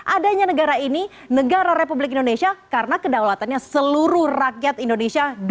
adanya negara ini negara republik indonesia karena kedaulatannya seluruh rakyat indonesia